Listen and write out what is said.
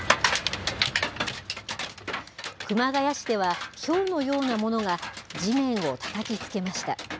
熊谷市ではひょうのようなものが地面をたたきつけました。